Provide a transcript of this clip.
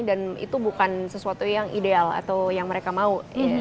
dan itu bukan sesuatu yang ideal atau yang mereka mau